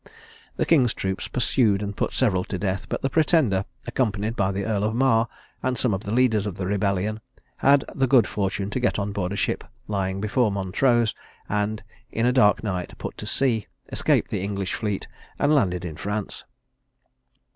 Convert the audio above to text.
The king's troops pursued and put several to death; but the Pretender, accompanied by the Earl of Mar, and some of the leaders of the rebellion, had the good fortune to get on board a ship lying before Montrose; and, in a dark night, put to sea, escaped the English fleet, and landed in France.